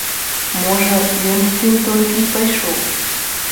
Можа, ён з тым толькі й пайшоў.